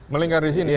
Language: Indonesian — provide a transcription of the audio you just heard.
melingkar di sini